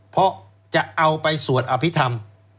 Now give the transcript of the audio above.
เพราะจะเอาไปสวดอภิษฐรรม